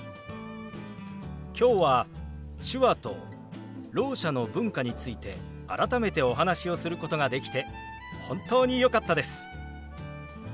今日は手話とろう者の文化について改めてお話をすることができて本当によかったです。